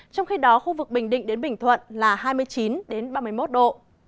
trong khi đó khu vực bình định đến bình thuận là hai mươi chín ba mươi một độ